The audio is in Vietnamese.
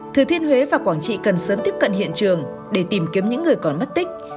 thừa thiên huế và quảng trị cần sớm tiếp cận hiện trường để tìm kiếm những người còn mất tích